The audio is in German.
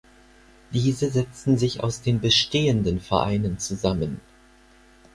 Diese setzten sich aus den bestehenden Vereinen zusammen.